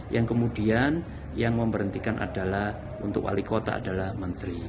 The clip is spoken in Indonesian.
yang kemudian yang memberhentikan adalah untuk wali kota adalah menteri